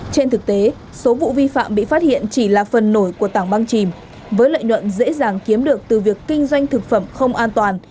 trên thực tế số vụ vi phạm bị phát hiện chỉ là phần nổi của tảng băng chìm với lợi nhuận dễ dàng kiếm được từ việc kinh doanh thực phẩm không an toàn